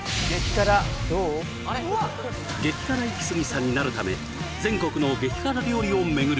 激辛イキスギさんになるため全国の激辛料理を巡る！